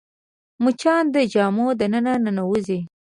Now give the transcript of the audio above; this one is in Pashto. مچان د جامو دننه ننوځي